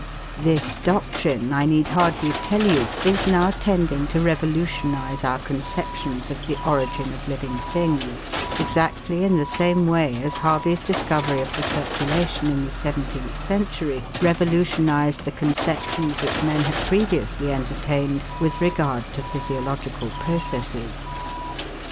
This doctrine, I need hardly tell you, is now tending to revolutionise our conceptions of the origin of living things, exactly in the same way as Harvey's discovery of the circulation in the seventeeth century revolutionised the conceptions which men had previously entertained with regard to physiological processes.